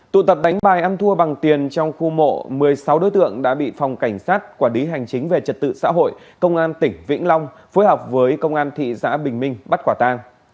tụ tập đánh bài ăn thua bằng tiền trong khu mộ một mươi sáu đối tượng đã bị phòng cảnh sát quản lý hành chính về trật tự xã hội công an tỉnh vĩnh long phối hợp với công an thị xã bình minh bắt quả ta